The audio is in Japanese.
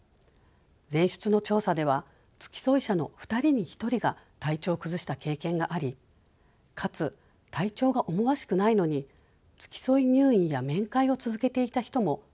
前出の調査では付き添い者の２人に１人が体調を崩した経験がありかつ体調が思わしくないのに付き添い入院や面会を続けていた人も５割強いました。